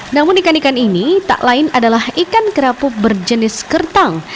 namun ikan ikan ini tak lain adalah ikan kerapu berjenis kertang